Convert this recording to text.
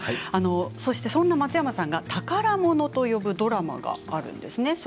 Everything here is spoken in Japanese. そんな松山さんが宝物と呼ぶドラマがあるんですね。